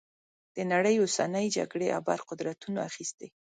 د نړۍ اوسنۍ جګړې ابرقدرتونو اخیستي.